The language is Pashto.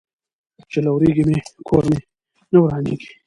ـ چې لوريږي مې، کور مې نه ورانيږي.